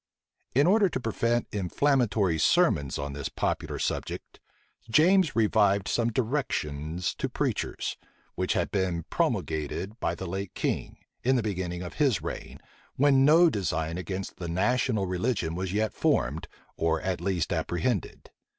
In order to prevent inflammatory sermons on this popular subject, James revived some directions to preachers, which had been promulgated by the late king, in the beginning of his reign, when no design against the national religion was yet formed, or at least apprehended.